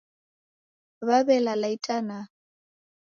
Waw'elala itana